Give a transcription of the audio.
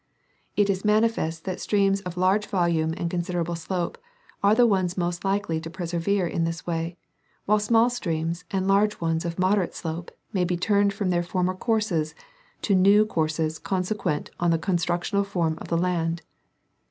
It is manifest that streams of large volume and considerable slope are the ones most likely to per severe in this way, while small streams and large ones of mod erate slope may be turned from their former courses to new courses consequent on the new constructional form of the land.